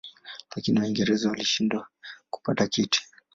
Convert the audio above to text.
Lakini Waingereza walishindwa kupata kiti.